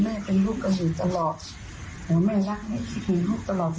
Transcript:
และพูดถึงความภาคคุมใจในตัวลูกนะครับ